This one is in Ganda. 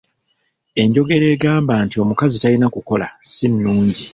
Enjogera egamba nti omukazi tayina kukola si nnungi.